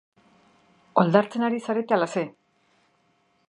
Oldartzen ari zarete ala ze?